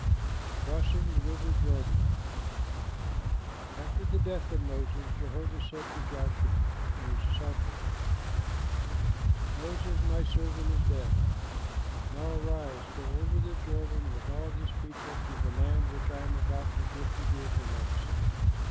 CROSSING THE RIVER JORDAN After the death of Moses, Jehovah said to Joshua, Moses' helper, "Moses my servant is dead: Now arise, go over the Jordan with all this people to the land which I am about to give to the Israelites.